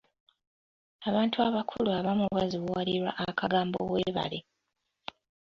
Abantu abakulu abamu bazibuwalirwa akagambo weebale.